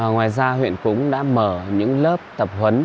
ngoài ra huyện cũng đã mở những lớp tập huấn